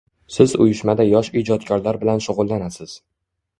– Siz uyushmada yosh ijodkorlar bilan shug‘ullanasiz.